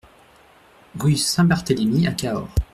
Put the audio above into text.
Rue Saint-Barthelémy à Cahors